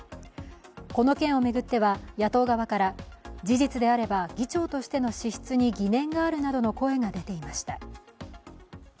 この件を巡っては野党側から、事実であれば議長としての資質に疑念があるなどの声が出ていました。